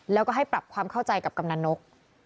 แล้วก็ให้ปรับความเข้าใจกับกำนันนก